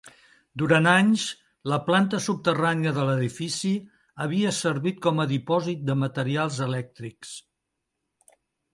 Durant anys, la planta subterrània de l'edifici havia servit com a dipòsit de materials elèctrics.